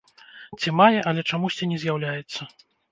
Ці мае, але чамусьці не з'яўляецца.